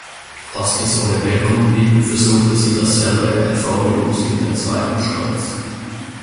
Als dies ohne Wirkung blieb, versuchte sie dasselbe erfolglos mit dem zweiten Kreuz.